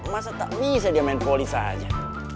masa tak bisa dia main polis saja